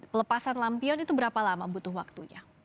pelepasan lampion itu berapa lama butuh waktunya